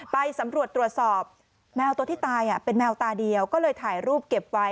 ไปสำรวจตรวจสอบแมวตัวที่ตายเป็นแมวตาเดียวก็เลยถ่ายรูปเก็บไว้